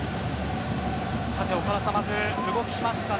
さて岡田さんまず動き出しましたね